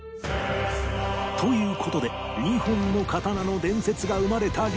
という事で２本の刀の伝説が生まれた理由